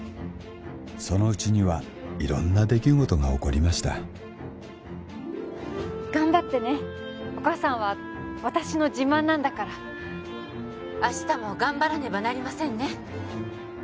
そのうちには色んな出来事が起こりました頑張ってねお母さんは私の自慢なんだから明日も頑張らねばなりませんね